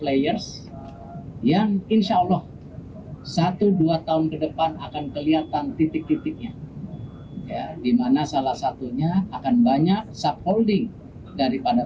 pertamina adalah sebuah penyelenggaraan yang akan menjadi perusahaan kelas dunia